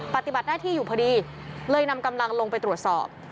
ปฏิบัติหน้าที่อยู่พอดีเลยนำกำลังลงไปตรวจสอบ